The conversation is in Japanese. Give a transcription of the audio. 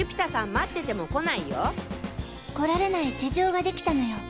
待ってても来ないよ。来られない事情ができたのよ。